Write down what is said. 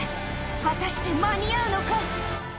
果たして間に合うのか？